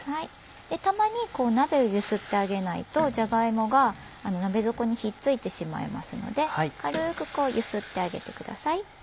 たまに鍋を揺すってあげないとじゃが芋が鍋底に引っ付いてしまいますので軽くこう揺すってあげてください。